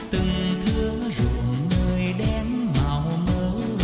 từng thương ruộng nơi đen màu mơ